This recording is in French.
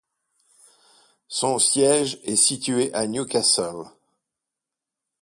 Son siège est situé à New Castle.